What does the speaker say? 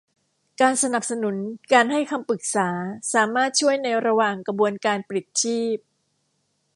การสนับสนุนการให้คำปรึกษาสามารถช่วยในระหว่างกระบวนการปลิดชีพ